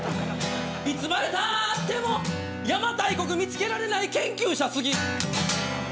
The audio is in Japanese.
いつまでたっても邪馬台国見つけられない研究者好き。